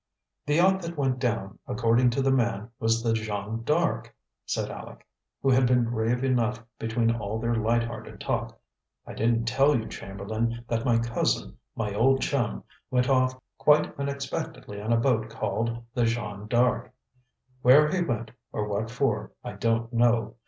"The yacht that went down, according to the man, was the Jeanne D'Arc," said Aleck, who had been grave enough between all their light hearted talk. "I didn't tell you, Chamberlain, that my cousin, my old chum, went off quite unexpectedly on a boat called the Jeanne D'Arc. Where he went or what for, I don't know.